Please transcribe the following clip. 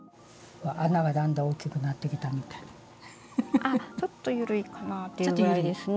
でもちょっと緩いかなっていうぐらいですね。